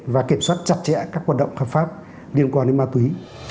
và kiểm soát chặt chẽ các hoạt động hợp pháp liên quan đến ma túy